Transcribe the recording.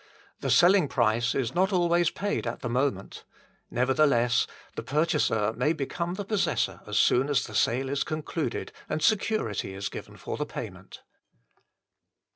The selling price is not always paid at the moment ; nevertheless, the purchaser may become the possessor as soon as the sale is concluded and security is given for the payment.